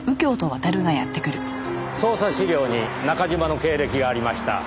捜査資料に中嶋の経歴がありました。